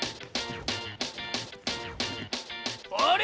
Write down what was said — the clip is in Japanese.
あれ？